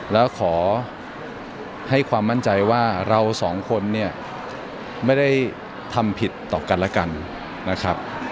แล้วขอให้ความมั่นใจว่าเราสองคนเนี่ยไม่ได้ทำผิดต่อกันและกันนะครับ